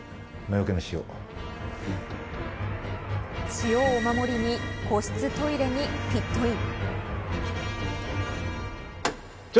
塩をお守りに個室トイレにピットイン。